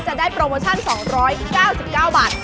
จะได้โปรโมชั่น๒๙๙บาท